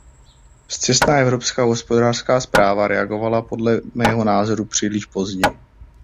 Zcestná evropská hospodářská správa reagovala podle mého názoru příliš pozdě.